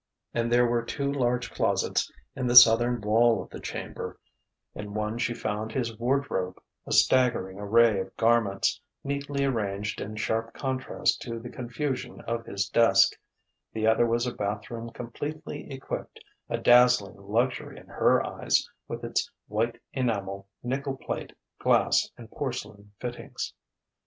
And there were two large closets in the southern wall of the chamber; in one she found his wardrobe, a staggering array of garments, neatly arranged in sharp contrast to the confusion of his desk; the other was a bathroom completely equipped, a dazzling luxury in her eyes, with its white enamel, nickel plate, glass and porcelain fittings.